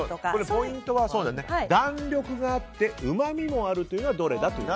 ポイントは弾力があってうまみもあるというのがどれだという。